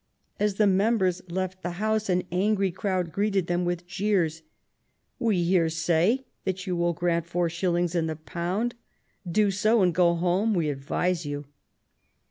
As the members left the House an angry crowd greeted them with jeers. "We hear say that you will grant four shillings in the pound. Do so, and go home, we ad vise you."